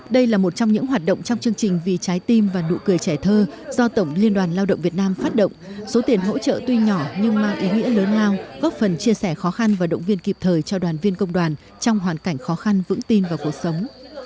đây là một trong những hoạt động trong chương trình vì trái tim và nụ cười trẻ thơ do tổng liên đoàn lao động việt nam phát động số tiền hỗ trợ tuy nhỏ nhưng mang ý nghĩa lớn lao góp phần chia sẻ khó khăn và động viên kịp thời cho đoàn viên công đoàn trong hoàn cảnh khó khăn vững tin vào cuộc sống